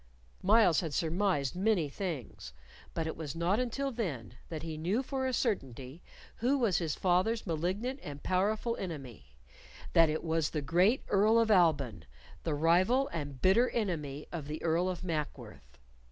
Myles had surmised many things, but it was not until then that he knew for a certainty who was his father's malignant and powerful enemy that it was the great Earl of Alban, the rival and bitter enemy of the Earl of Mackworth.